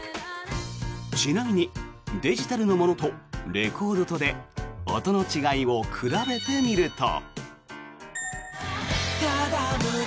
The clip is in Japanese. ちなみにデジタルのものとレコードで音の違いを比べてみると。